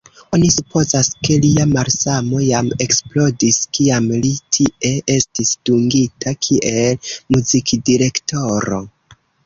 Oni supozas, ke lia malsano jam eksplodis, kiam li tie estis dungita kiel muzikdirektoro.